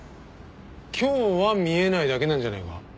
今日は見えないだけなんじゃねえか？